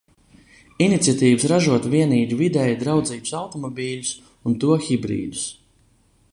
Iniciatīvas ražot vienīgi videi draudzīgus automobiļus un to hibrīdus.